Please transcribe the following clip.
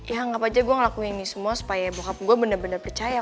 ya ngapain aja gue ngelakuin ini semua supaya bokap gue bener bener percaya